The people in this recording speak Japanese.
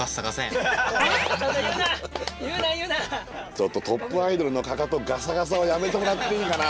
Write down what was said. ちょっとトップアイドルのかかとガサガサはやめてもらっていいかな。